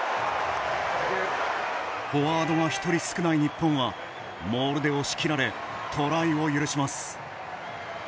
フォワードが１人少ない日本はモールで押し切られトライを許します。